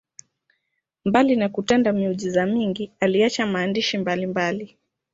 Mbali na kutenda miujiza mingi, aliacha maandishi mbalimbali.